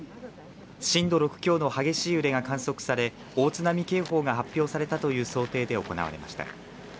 震度６強の激しい揺れが観測され大津波警報が発表されたという想定で行われました。